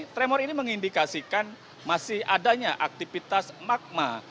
tremor ini mengindikasikan masih adanya aktivitas magma